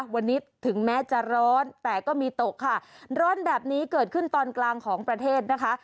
วันนี้ถึงแม้จะร้อนแต่ก็มีตกค่ะร้อนแบบนี้เกิดขึ้นตอนกลางของประเทศนะคะ